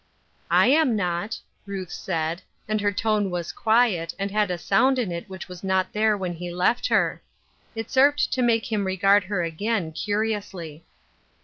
"I am not," Ruth said, and her tone was quiet, and had a sound in it which was not there when he left her. It served to make him regard her again, curiously.